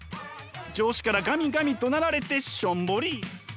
上司からガミガミどなられてしょんぼり。